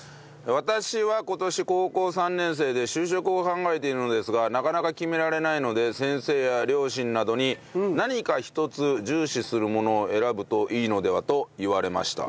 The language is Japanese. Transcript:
私は今年高校３年生で就職を考えているのですがなかなか決められないので先生や両親などに何か一つ重視するものを選ぶといいのではと言われました。